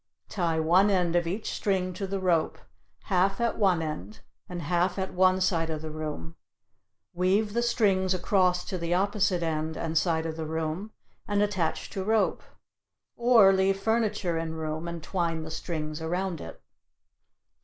Tie one end of each string to the rope, half at one end and half at one side of the room; weave the strings across to the opposite end and side of the room and attach to rope. Or leave furniture in room and twine the strings around it.